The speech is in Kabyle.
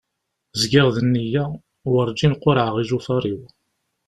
Zgiɣ d neyya, warǧin qurɛeɣ ijufar-iw.